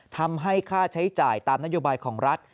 ทำให้ค่าใช้จ่ายตามนโยบายของรัฐ